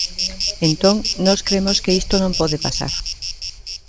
Entón, nós cremos que isto non pode pasar.